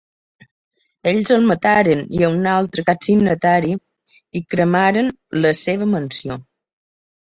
Ells el mataren i a un altre cap signatari, i cremaren la seva mansió.